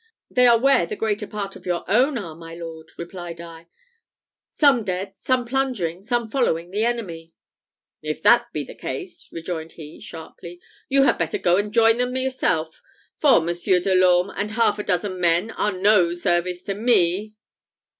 "They are where the greater part of your own are, my lord," replied I; "some dead, some plundering, some following the enemy." "If that be the case," rejoined he, sharply, "you had better go and join them yourself; for Monsieur de l'Orme and half a dozen men are no service to me."